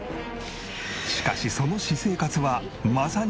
しかしその私生活はまさに「なんなん？」。